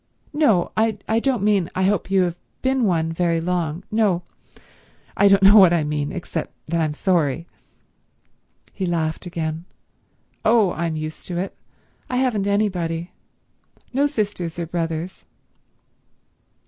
No—I don't mean I hope you have been one very long. No—I don't know what I mean, except that I'm sorry." He laughed again. "Oh I'm used to it. I haven't anybody. No sisters or brothers."